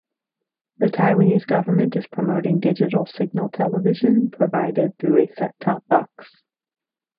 The Taiwanese government is promoting digital signal television, provided through a set-top box.